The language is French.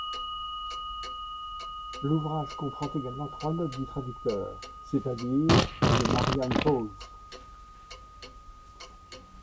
L'ouvrage comprend également trois notes du traducteur, c'est-à-dire de Marie-Anne Paulze.